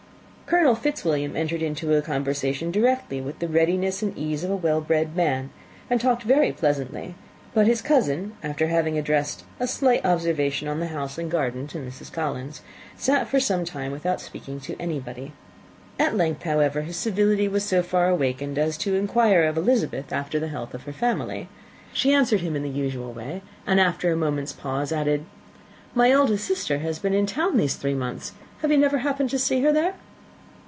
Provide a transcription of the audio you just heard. Colonel Fitzwilliam entered into conversation directly, with the readiness and ease of a well bred man, and talked very pleasantly; but his cousin, after having addressed a slight observation on the house and garden to Mrs. Collins, sat for some time without speaking to anybody. At length, however, his civility was so far awakened as to inquire of Elizabeth after the health of her family. She answered him in the usual way; and, after a moment's pause, added, "My eldest sister has been in town these three months. Have you never happened to see her there?"